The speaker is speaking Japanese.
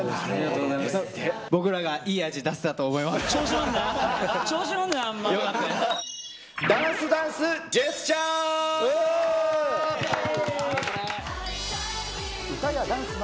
僕らがいい味出せたと思いま調子乗んな。